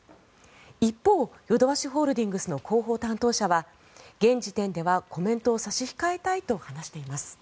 一方でヨドバシホールディングスの広報担当者は、現時点ではコメントを差し控えたいと話しています。